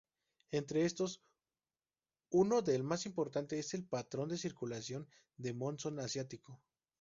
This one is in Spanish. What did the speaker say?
Entre estos, uno del más importante es el patrón de circulación de monzón asiático.